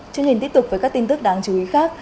chương trình tiếp tục với các tin tức đáng chú ý khác